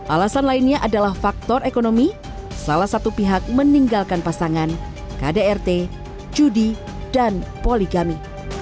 alasan lainnya adalah faktor ekonomi salah satu pihak meninggalkan pasangan kdrt judi dan poligami